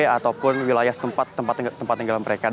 ataupun wilayah tempat tinggalan mereka